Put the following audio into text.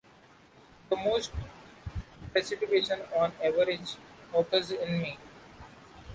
The most precipitation on average occurs in May.